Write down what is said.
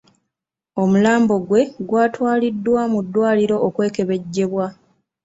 Omulambo gwe gwatwaliddwa mu ddwaliro okwekebejjebwa.